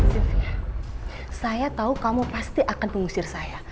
saya tahu kamu pasti akan mengusir saya